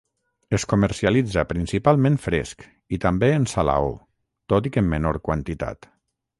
Es comercialitza principalment fresc i, també, en salaó, tot i que en menor quantitat.